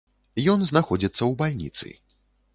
Ён знаходзіцца ў бальніцы.